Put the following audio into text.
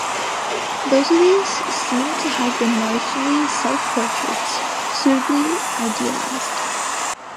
Both of these seem to have been largely self-portraits, suitably idealised.